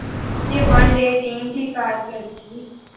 کہ one day team کی کارکردگی